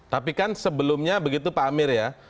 tapi kan sebelumnya begitu pak amir ya